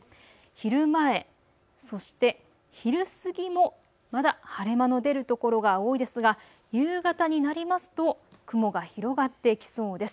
昼前、そして昼過ぎもまだ晴れ間の出る所が多いですが夕方になりますと雲が広がってきそうです。